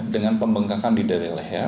dengan pembengkakan di daerah leher